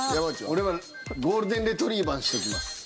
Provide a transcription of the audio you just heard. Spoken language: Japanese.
俺はゴールデン・レトリーバーにしときます。